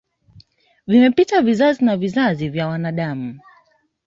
Vimepita vizazi na vizazi vya wanadamu